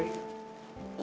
iya iya sih bener juga